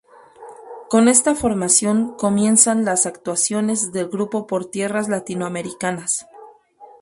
Con esta formación comienzan las actuaciones del grupo por tierras latinoamericanas.